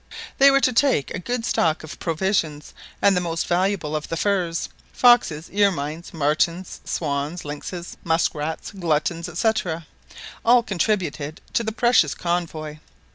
They were to take a good stock of provisions, and the most valuable of the furs. Foxes, ermines, martens, swans, lynxes, musk rats, gluttons, &c., all contributed to the precious convoy.